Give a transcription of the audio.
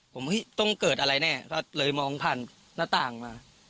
ผมต้องเกิดอะไรแน่ก็เลยมองผ่านหน้าต่างมา